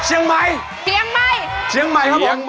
เหมือนแก่งก็ดึกสิ๒๐๐๐๐๐บาทนะครับ